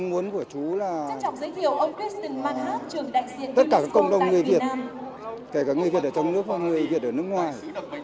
mong muốn của chú là tất cả các cộng đồng người việt kể cả người việt ở trong nước và người việt ở nước ngoài